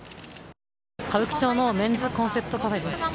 歌舞伎町のメンズコンセプトカフェです。